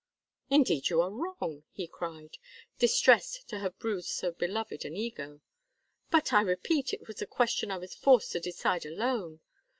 "Indeed you are wrong!" he cried, distressed to have bruised so beloved an ego. "But, I repeat, it was a question I was forced to decide alone.